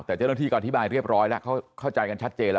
แต่เจ้าหน้าที่ก็อธิบายเรียบร้อยแล้วเข้าใจกันชัดเจนแล้ว